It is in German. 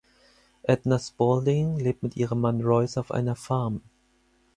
Edna Spalding lebt mit ihrem Mann Royce auf einer Farm.